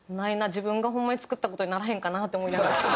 自分がホンマに作った事にならへんかなって思いながら。